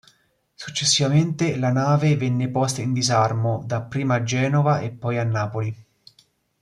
Successivamente la nave venne posta in disarmo, dapprima a Genova e poi a Napoli.